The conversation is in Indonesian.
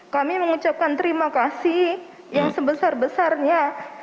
kami mengucapkan terima kasih yang sebesar besarnya